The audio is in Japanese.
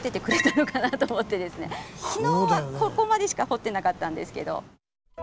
昨日はここまでしか掘ってなかったんですけど。